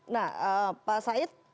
nah pak said